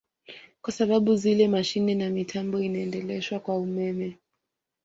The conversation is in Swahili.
Kwa sababu zile mashine na mitambo inaendeshwa kwa ummeme